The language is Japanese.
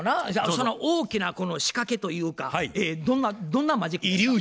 その大きな仕掛けというかどんなマジックやったん？